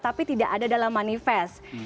tapi tidak ada dalam manifest